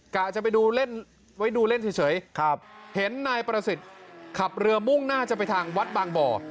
กะจะไปดูเล่นเห็นนายประสิทธิ์ขับเรือมุ่งหน้าไปทางวัดบางบ่อ